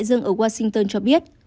đại dương ở washington cho biết